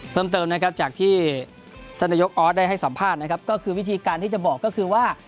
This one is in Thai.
เพิ่มเติมนะครับจากที่ท่านนายกออสได้ให้สัมภาษณ์นะครับก็คือวิธีการที่จะบอกก็คือว่า